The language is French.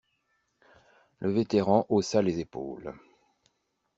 Le vétéran haussa les épaules.